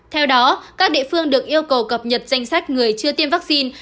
theo đó các địa phương được yêu cầu cập nhật danh sách người chưa tiêm vaccine